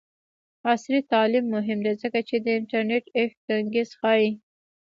عصري تعلیم مهم دی ځکه چې د انټرنټ آف تینګز ښيي.